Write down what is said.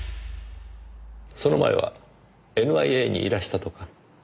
その前はＮＩＡにいらしたとか。